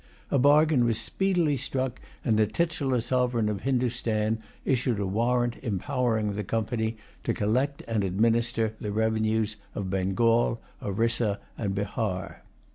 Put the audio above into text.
A bargain was speedily struck; and the titular sovereign of Hindostan issued a warrant, empowering the Company to collect and administer the revenues of Bengal, Orissa, and Bahar.